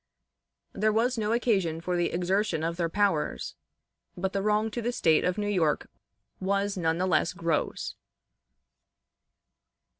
There was no occasion for the exertion of their powers, but the wrong to the State of New York was none the less gross.